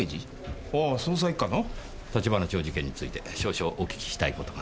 橘町事件について少々お訊きしたい事が。